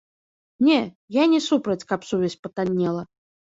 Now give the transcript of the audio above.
Не, я не супраць, каб сувязь патаннела.